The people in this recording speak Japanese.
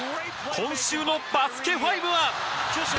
今週の『バスケ☆ＦＩＶＥ』は。